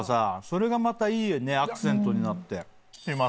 それがまたいいアクセントになって。